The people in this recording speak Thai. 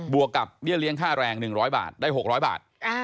บวกกับเรียนค่าแรง๑๐๐บาทได้๖๐๐บาท